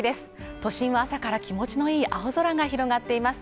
都心は朝から気持ちの良い青空が広がっています。